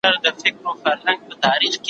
سو بېهوښه هغه دم يې زکندن سو